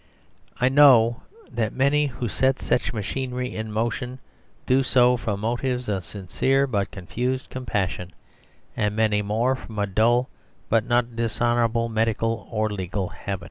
I know that many who set such machinery in motion do so from motives of sincere but confused compassion, and many more from a dull but not dishonourable medical or legal habit.